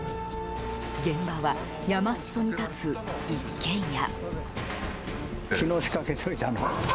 現場は山裾に立つ一軒家。